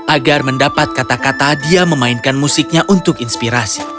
agar mendapat kata kata dia memainkan musiknya untuk inspirasi